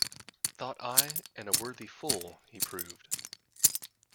Thought I, and a worthy fool he proved.